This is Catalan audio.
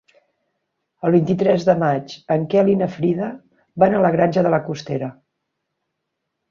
El vint-i-tres de maig en Quel i na Frida van a la Granja de la Costera.